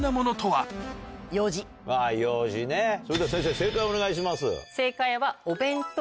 それでは先生正解をお願いします。